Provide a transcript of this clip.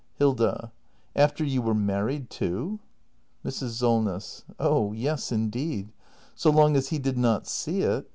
Hilda. After you were married, too? Mrs. Solness. Oh yes, indeed. So long as he did not see it